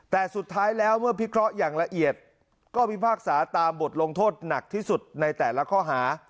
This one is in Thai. แต่สุดท้ายแล้วเมื่อพิเคราะห์อย่างละเอียดก็พิพากษาตามบทลงโทษหนักที่สุดในแต่ละข้อหา